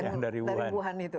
yang dari wuhan itu